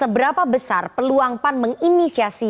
seberapa besar peluang pan menginisiasi